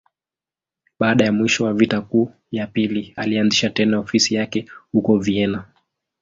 Baada ya mwisho wa Vita Kuu ya Pili, alianzisha tena ofisi yake huko Vienna.